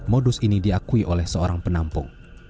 modus ini diakui oleh seorang penampung